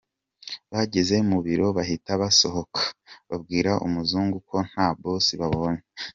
Bageze mu biro bahita basohoka babwira umuzungu ko nta ‘boss’ babonye.